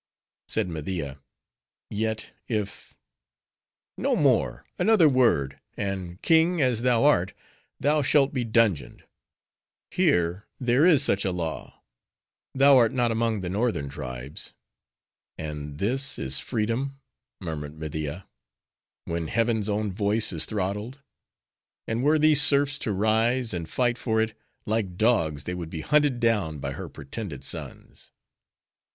Said Media, "Yet if—" "No more! another word, and, king as thou art, thou shalt be dungeoned:—here, there is such a law; thou art not among the northern tribes." "And this is freedom!" murmured Media; "when heaven's own voice is throttled. And were these serfs to rise, and fight for it; like dogs, they would be hunted down by her pretended sons!"